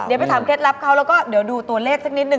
เดี๋ยวไปถามเคล็ดลับเขาแล้วก็เดี๋ยวดูตัวเลขสักนิดนึ